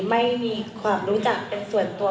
ไม่มีความรู้จักเป็นส่วนตัว